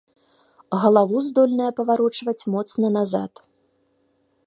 Галаву здольная паварочваць моцна назад.